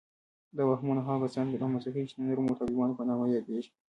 دا وهمونه هغو کسانو رامنځته کړي چې د نرمو طالبانو په نامه یادیږي